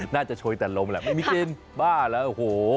น่าจะช่วยแต่ลมแหละไม่มีกินบ้าแล้วโห